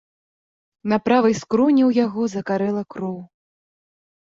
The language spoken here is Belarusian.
На правай скроні ў яго закарэла кроў.